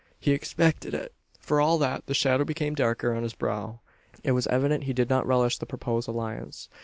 He expected it. For all that, the shadow became darker on his brow. It was evident he did not relish the proposed alliance.